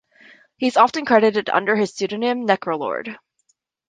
He is often credited under his pseudonym, Necrolord.